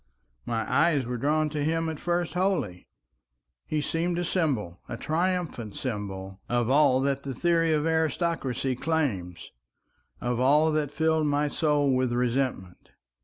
My eyes were drawn to him at first wholly. He seemed a symbol, a triumphant symbol, of all that the theory of aristocracy claims, of all that filled my soul with resentment.